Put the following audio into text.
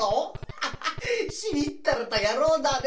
ハハッしみったれた野郎だね。